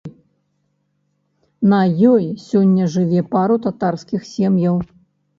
На ёй сёння жыве пару татарскіх сем'яў.